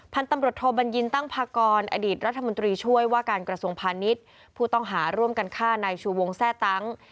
พันธุ์ตำรวจโทบัญญินตั้งพากรอดีตรัฐมนตรีช่วยว่าการกระทรวงพาณิชย์ผู้ต้องหาร่วมกันฆ่านายชูวงแทร่ตั้ง